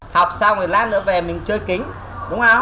học xong rồi lát nữa về mình chơi kính đúng không